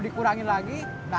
ini banyak dua ker fought